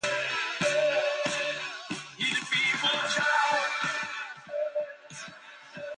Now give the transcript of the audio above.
Some require only a simple move and others a series of discoveries.